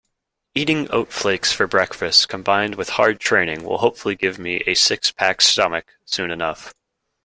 Eating oat flakes for breakfast combined with hard training will hopefully give me a six-pack stomach soon enough.